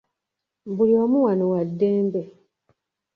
Buli omu wano wa ddembe.